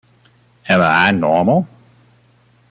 Am I Normal?